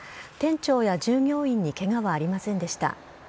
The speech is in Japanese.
店長や従業員にけがはありませんでした。